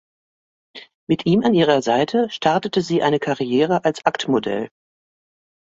Mit ihm an ihrer Seite startete sie eine Karriere als Aktmodell.